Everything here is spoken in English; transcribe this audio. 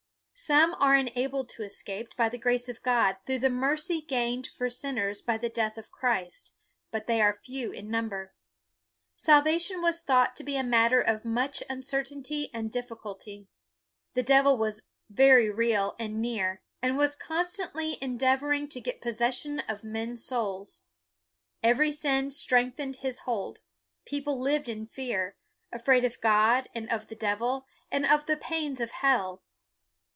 Some are enabled to es cape, by the grace of God, through the mercy gained for sinners by the death of Christ, but they are few in number. Sal vation was thought to be a matter of much uncertainty and difficulty. The devil was very real and near, and was con stantly endeavoring to get possession of men's souls. Every sin strengthened his hold. People lived in fear; afraid of God, and of the devil, and of the pains of hell.